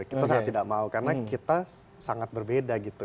kita sangat tidak mau karena kita sangat berbeda gitu